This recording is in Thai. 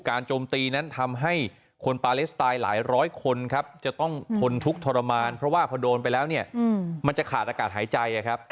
โจมตีนั้นทำให้คนปาเลสไตน์หลายร้อยคนครับจะต้องทนทุกข์ทรมานเพราะว่าพอโดนไปแล้วเนี่ยมันจะขาดอากาศหายใจครับ